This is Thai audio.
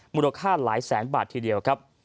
มูลค่าหลายแสนบาททีเดียวครับ